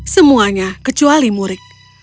semuanya kecuali murik